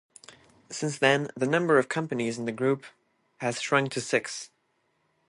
Since then, the number of companies in the group has shrunk to six.